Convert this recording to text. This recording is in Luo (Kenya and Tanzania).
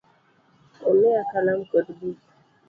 Omiya Kalam kod buk